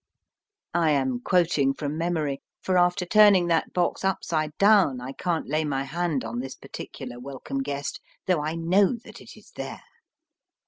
I am quoting from memory, for after turning that box upside down, I can t lay my hand on this particular Welcome Guest, though I know that it is there.